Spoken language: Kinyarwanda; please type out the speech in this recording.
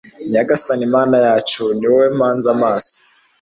nyagasani mana yacu, ni wowe mpanze amaso